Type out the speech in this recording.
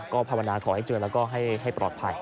ก็ภาวนาขอให้เจอแล้วก็ให้ปลอดภัย